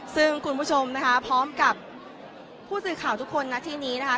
ซึ่งคุณผู้ชมนะคะพร้อมกับผู้สื่อข่าวทุกคนณที่นี้นะคะ